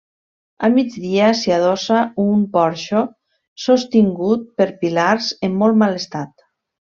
A migdia s'hi adossa un porxo, sostingut per pilars, en molt mal estat.